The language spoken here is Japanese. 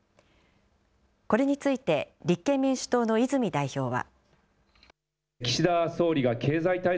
これについて立憲民主党の泉代表は。